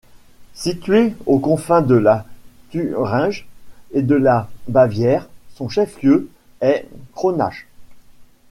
Situé aux confins de la Thuringe et de la Bavière, son chef-lieu est Kronach.